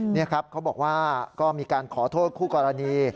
นี่ครับเขาบอกว่าก็มีการขอโทษคู่กรณี